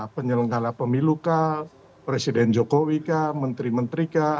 penyelenggara pemilu kah presiden jokowi kah menteri menteri kah